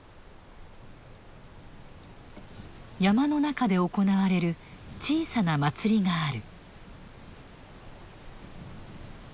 山の中で行われる小さな祭りがある。